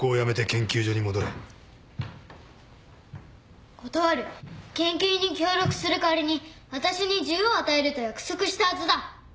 研究に協力する代わりにわたしに自由を与えると約束したはずだ。